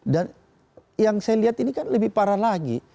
dan yang saya lihat ini kan lebih parah lagi